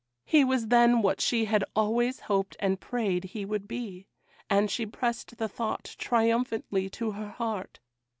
He was then what she had always hoped and prayed he would be, and she pressed the thought triumphantly to her heart.